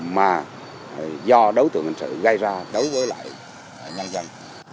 mà do đấu tượng hành sự gây ra đối với lại nhân dân